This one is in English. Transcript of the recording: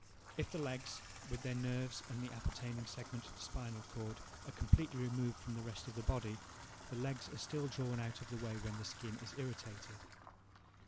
If the legs, with their nerves and the appertaining segment of the spinal cord, are completely removed from the rest of the body, the legs are still drawn out of the way when the skin is irritated.